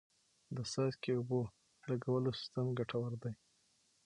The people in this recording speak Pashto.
د څاڅکي اوبو لګولو سیستم ګټور دی.